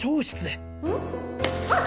あっ！